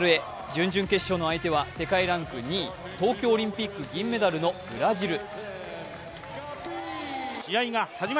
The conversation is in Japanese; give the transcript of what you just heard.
準々決勝の相手は世界ランク２位、東京オリンピック銀メダルのブラジル。